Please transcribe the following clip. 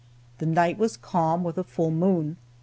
The night was calm, with a full moon.